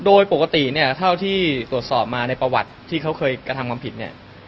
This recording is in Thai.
โดยปกติเนี่ยเท่าที่ตรวจสอบมาในประวัติที่เขาเคยกระทำความผิดเนี่ย